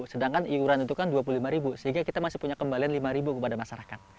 sedangkan iuran itu kan dua puluh lima sehingga kita masih punya kembalian lima kepada masyarakat